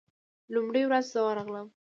لومړۍ ورځ زه ورغلم.